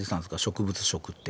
植物食って。